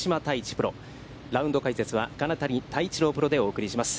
プロ、ラウンド解説は、金谷多一郎プロでお送りします。